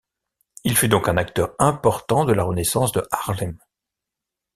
Il fut donc un acteur important de la Renaissance de Harlem.